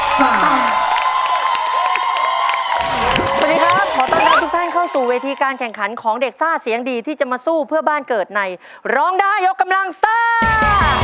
สวัสดีครับขอต้อนรับทุกท่านเข้าสู่เวทีการแข่งขันของเด็กซ่าเสียงดีที่จะมาสู้เพื่อบ้านเกิดในร้องได้ยกกำลังซ่า